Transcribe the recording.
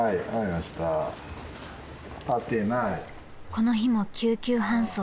［この日も救急搬送です］